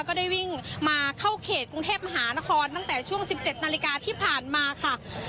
ก็ได้วิ่งมาเข้าเขตกรุงเทพมหานครตั้งแต่ช่วง๑๗นาฬิกาที่ผ่านมาค่ะ